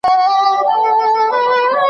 استاد ناشناس